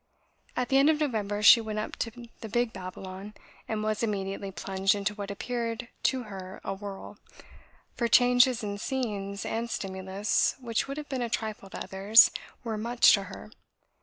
At the end of November she went up to the "big Babylon," and was immediately plunged into what appeared to her a whirl; for changes, and scenes, and stimulus which would have been a trifle to others, were much to her.